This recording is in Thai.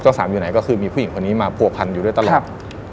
สามอยู่ไหนก็คือมีผู้หญิงคนนี้มาผัวพันอยู่ด้วยตลอด